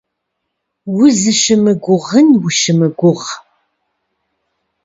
Узыщымыгугъын ущымыгугъ.